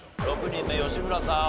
６人目吉村さん